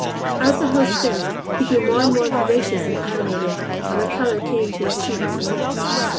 As the house filled, he grew more and more vivacious and animated, and the color came to his cheeks and lips.